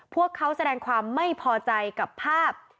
พวกเขาแสดงความไม่พอใจกับภาพ